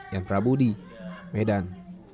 yang prabu di medan